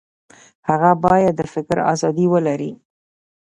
هغه باید د فکر ازادي ولري.